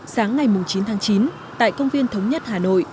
sáng ngày chín tháng chín tại công viên thống nhất hà nội